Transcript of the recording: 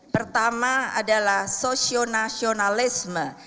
pertama adalah sosionalisme